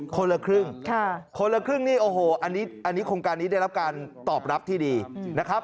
คนละครึ่งคนละครึ่งนี่โอ้โหอันนี้โครงการนี้ได้รับการตอบรับที่ดีนะครับ